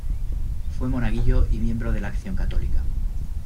Fue monaguillo y miembro de la Acción Católica.